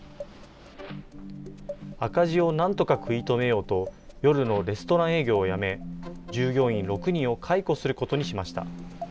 赤字をなんとか食い止めようと、夜のレストラン営業をやめ、従業員６人を解雇することにしました。